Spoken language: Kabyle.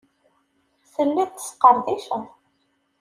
Telliḍ tesqerdiceḍ.